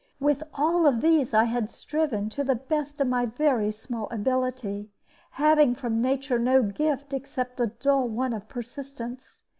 With all of these I had striven, to the best of my very small ability, having from nature no gift except the dull one of persistence.